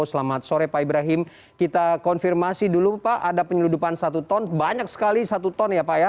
selamat sore pak ibrahim kita konfirmasi dulu pak ada penyeludupan satu ton banyak sekali satu ton ya pak ya